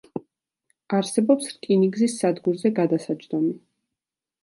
არსებობს რკინიგზის სადგურზე გადასაჯდომი.